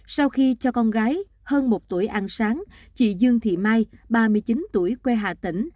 sau khi cho con gái hơn một tuổi ăn sáng chị dương thị mai ba mươi chín tuổi quê hà tĩnh